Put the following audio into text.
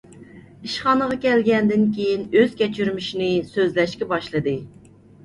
ئىشخانىغا كەلگەندىن كېيىن ئۆز كەچۈرمىشىنى سۆزلەشكە باشلىدى.